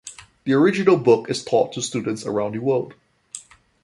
The original book is taught to students around the world.